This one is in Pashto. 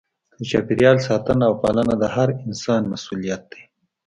د چاپیریال ساتنه او پالنه د هر انسان مسؤلیت دی.